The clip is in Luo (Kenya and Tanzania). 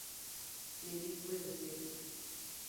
Nind gi kue osiepna